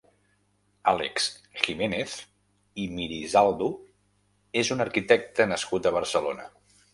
Àlex Giménez Imirizaldu és un arquitecte nascut a Barcelona.